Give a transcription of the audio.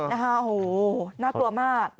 โหน่ากลัวมาก